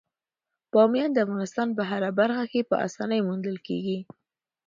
بامیان د افغانستان په هره برخه کې په اسانۍ موندل کېږي.